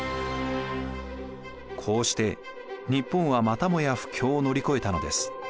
こうして日本はまたもや不況を乗り越えたのです。